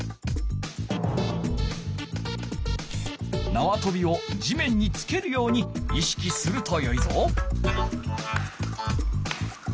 なわとびを地面につけるようにいしきするとよいぞ。